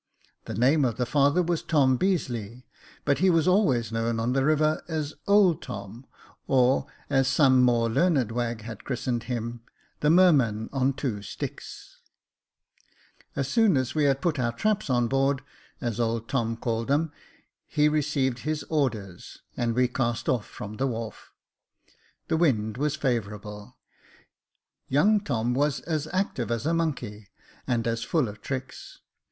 The name of the father was Tom Beazeley, but he was always known on the river as " old Tom," or, as some more learned wag had christened him, " the Merman on two stichsr As soon as we had put our traps on board, as old Tom called them, he received his orders, and we cast off" from the wharf. The wind was favourable. Young Tom was as active as a monkey, and as full of tricks.